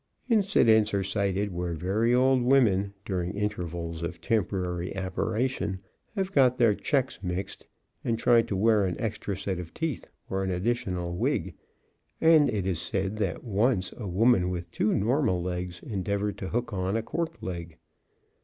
Incidents are cited where very old women, during intervals of temporary aberration, have got their checks mixed and tried to wear an extra set of teeth, or an additional wig; and it is said that once a woman with two normal legs endeavored to hook on a cork leg.